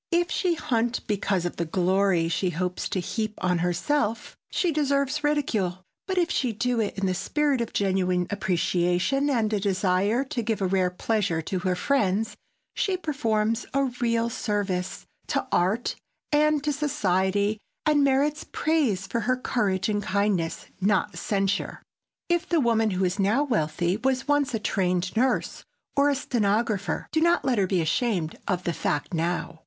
If she hunt because of the glory she hopes to heap on herself, she deserves ridicule, but if she do it in the spirit of genuine appreciation and a desire to give rare pleasure to her friends she performs a real service to art and to society and merits praise for her courage and kindness, not censure. If the woman who is now wealthy was once a trained nurse or a stenographer, do not let her be ashamed of the fact now.